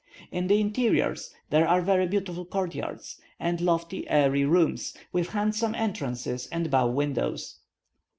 In the interiors, there are very beautiful court yards, and lofty, airy rooms, with handsome entrances and bow windows.